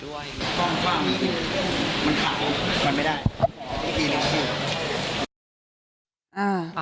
กล้องความมันขาวมันไม่ได้